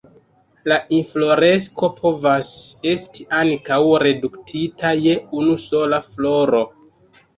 La infloresko povas esti ankaŭ reduktita je unu sola floro.